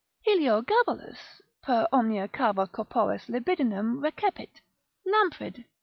Heliogabalus, per omnia cava corporis libidinem recepit, Lamprid.